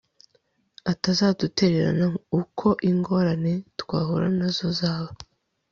atazadutererana uko ingorane twahura na zo zaba